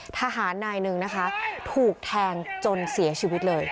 ทหารนายหนึ่งนะคะถูกแทงจนเสียชีวิตเลย